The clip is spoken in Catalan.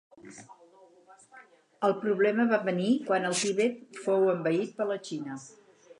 El problema va venir quan el Tibet fou envaït per la Xina.